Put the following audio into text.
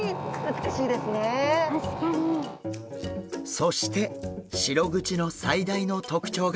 そしてシログチの最大の特徴が。